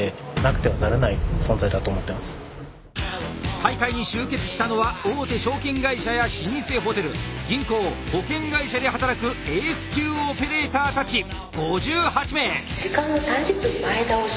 大会に集結したのは大手証券会社や老舗ホテル銀行保険会社で働くエース級オペレーターたち５８名。